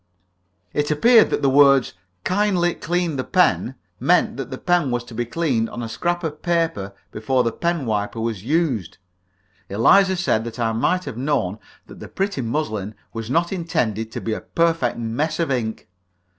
It appeared that the words, "Kindly clean the pen," meant that the pen was to be cleaned on a scrap of paper before the pen wiper was used. Eliza said that I might have known that the pretty muslin was not intended to be a perfect mess of ink.